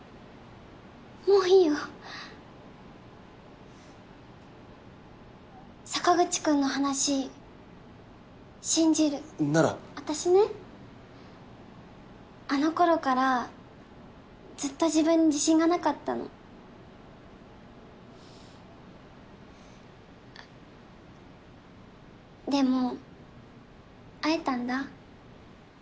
もういいよ坂口君の話信じるなら私ねあの頃からずっと自分に自信がなかったのでも会えたんだ